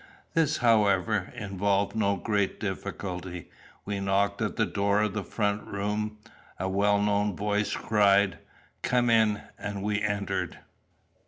This, however, involved no great difficulty. We knocked at the door of the front room. A well known voice cried, "Come in," and we entered.